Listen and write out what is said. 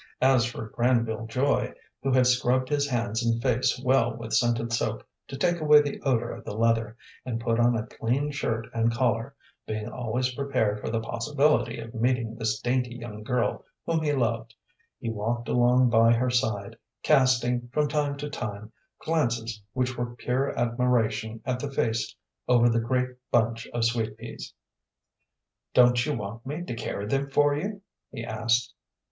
As for Granville Joy, who had scrubbed his hands and face well with scented soap to take away the odor of the leather, and put on a clean shirt and collar, being always prepared for the possibility of meeting this dainty young girl whom he loved, he walked along by her side, casting, from time to time, glances which were pure admiration at the face over the great bunch of sweet peas. "Don't you want me to carry them for you?" he asked.